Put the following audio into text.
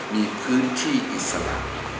มีพื้นที่อิสระ